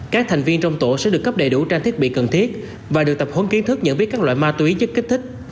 các thành viên trong tổ sẽ được cấp đầy đủ trang thiết bị cần thiết và được tập huấn kiến thức nhận biết các loại ma túy chất kích thích